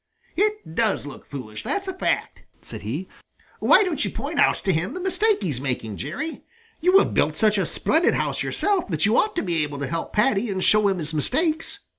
"It does look foolish, that's a fact," said he. "Why don't you point out to him the mistake he is making, Jerry? You have built such a splendid house yourself that you ought to be able to help Paddy and show him his mistakes."